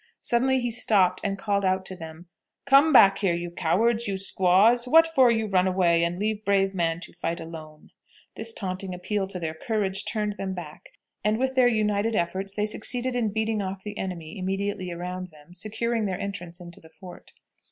Suddenly he stopped and called out to them, "Come back here, you cowards, you squaws; what for you run away and leave brave man to fight alone?" This taunting appeal to their courage turned them back, and, with their united efforts, they succeeded in beating off the enemy immediately around them, securing their entrance into the fort.